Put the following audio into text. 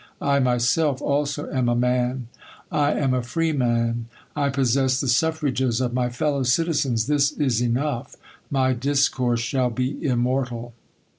I myself also am a man ; I am a freeman ; I possess the ' suffrages of my fellow citizens : this is enough ; my discourse shall be immortal.